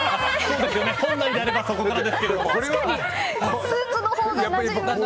本来であればそこからですけど。